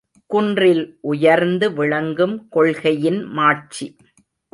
குன்றில் உயர்ந்து விளங்கும் கொள்கையின் மாட்சி!